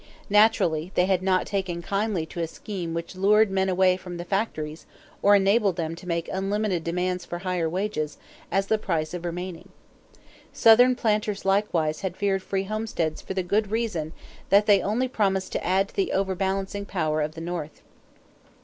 Naturally, they had not taken kindly to a scheme which lured men away from the factories or enabled them to make unlimited demands for higher wages as the price of remaining. Southern planters likewise had feared free homesteads for the very good reason that they only promised to add to the overbalancing power of the North.